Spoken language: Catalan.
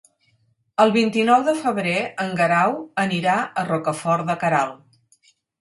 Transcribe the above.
El vint-i-nou de febrer en Guerau anirà a Rocafort de Queralt.